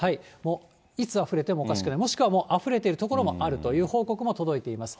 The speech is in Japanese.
いつあふれてもおかしくない、もしくはあふれている所もあるという報告も届いています。